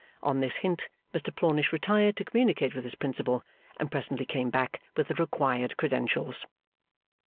On this hint, Mr Plornish retired to communicate with his Principal, and presently came back with the required credentials.